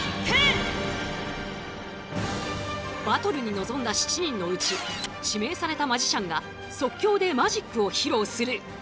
バトルに臨んだ７人のうち指名されたマジシャンが即興でマジックを披露する。